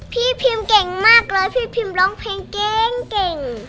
พี่พิมเก่งมากเลยพี่พิมร้องเพลงเก่ง